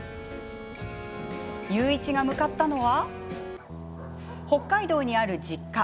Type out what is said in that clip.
裕一が向かったのは北海道にある実家。